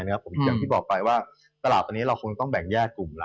อย่างที่บอกไปว่าตลาดตอนนี้เราคงต้องแบ่งแยกกลุ่มล่ะ